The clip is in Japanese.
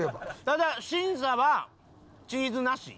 ただ審査はチーズなし。